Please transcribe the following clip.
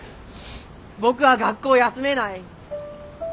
僕は学校休めない。